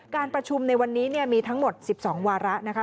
การประชุมในวันนี้มีทั้งหมด๑๒วาระนะคะ